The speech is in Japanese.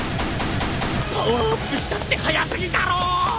パワーアップしたって速すぎだろ！